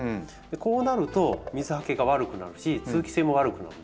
こうなると水はけが悪くなるし通気性も悪くなるんですね。